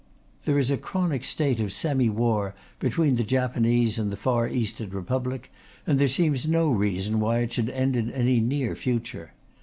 There is a chronic state of semi war between the Japanese and the Far Eastern Republic, and there seems no reason why it should end in any near future.